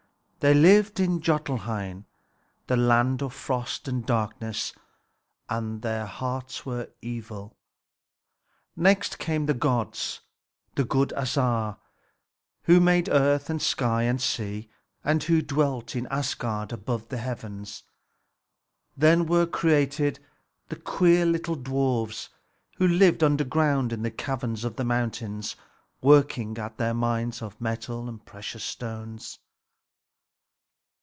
They lived in Jotunheim, the land of frost and darkness, and their hearts were evil. Next came the gods, the good Æsir, who made earth and sky and sea, and who dwelt in Asgard, above the heavens. Then were created the queer little dwarfs, who lived underground in the caverns of the mountains, working at their mines of metal and precious stones.